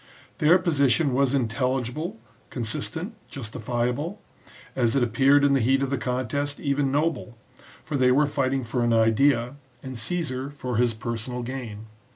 Their position was intelli gible, consistent, justifiable ; as it appeared in the heat of the contest, even noble, for they were fighting for an idea, and Caesar for his personal gain.